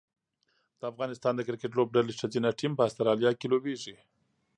د افغانستان د کرکټ لوبډلې ښځینه ټیم په اسټرالیا کې لوبیږي